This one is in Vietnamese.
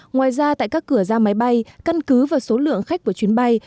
ngoài ra tại các cửa ra máy bay căn cứ và số lượng khách của chuyến bay